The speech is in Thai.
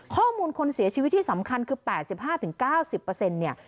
ข้อมูลคนเสียชีวิตที่สำคัญคือ๘๕๙๐